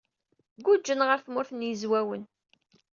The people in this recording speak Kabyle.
Guǧǧen ɣer Tmurt n Yizwawen.